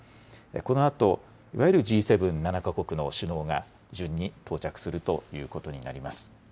このあといわゆるＧ７、７か国の首脳が順に到着するということになります。